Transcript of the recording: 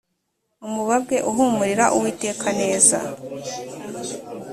umubabwe uhumurira uwiteka neza